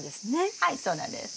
はいそうなんです。